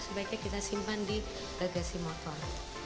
sebaiknya kita simpan di bagasi motor